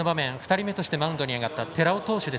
２人目としてマウンドに上がった寺尾投手